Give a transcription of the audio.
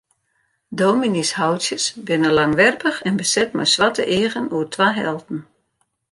Dominyshoutsjes binne langwerpich en beset mei swarte eagen oer twa helten.